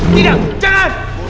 tidak jangan jangan